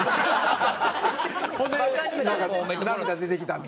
ほんでなんか涙出てきたんだ。